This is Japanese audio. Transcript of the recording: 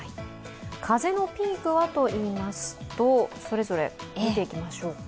風のピークはといいますと、それぞれ見ていきましょうか。